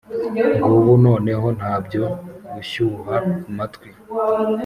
Ngubu noneho ntabyo gushyuha amatwi